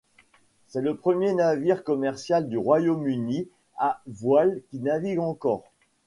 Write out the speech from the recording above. C'est le dernier navire commercial du Royaume-Uni à voile qui navigue encore.